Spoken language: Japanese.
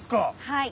はい。